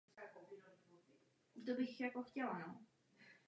Lodyhy i listy jsou měkce chlupaté.